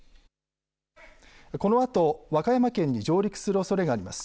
このあと、和歌山県に上陸するおそれがあります。